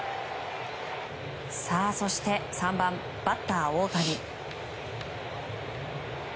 そして３番、バッター大谷。